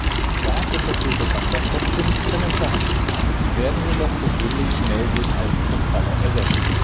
Stark unterkühlte Wassertröpfchen können vorhanden sein, werden jedoch gewöhnlich schnell durch Eiskristalle ersetzt.